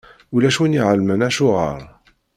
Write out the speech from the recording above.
Ulac win i iɛelmen acuɣeṛ.